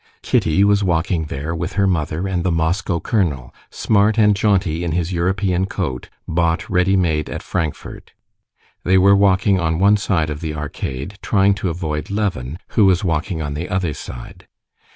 Kitty was walking there with her mother and the Moscow colonel, smart and jaunty in his European coat, bought ready made at Frankfort. They were walking on one side of the arcade, trying to avoid Levin, who was walking on the other side.